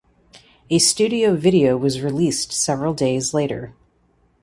A studio video was released several days later.